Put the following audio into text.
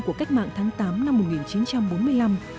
của cách mạng tháng tám năm một nghìn chín trăm bốn mươi năm